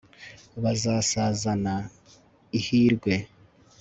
bazasazana ihirwe